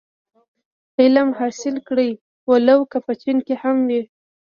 علم حاصل کړی و لو که په چين کي هم وي.